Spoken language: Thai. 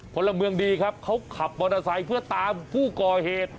ผลเมืองดีครับเขาขับบริษัยเพื่อตามผู้ก่อเหตุ